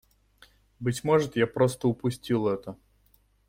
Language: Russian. Быть может, я просто упустил это.